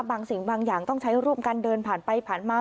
สิ่งบางอย่างต้องใช้ร่วมกันเดินผ่านไปผ่านมา